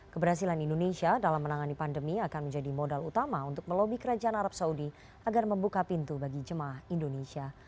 keberhasilan indonesia dalam menangani pandemi akan menjadi modal utama untuk melobi kerajaan arab saudi agar membuka pintu bagi jemaah indonesia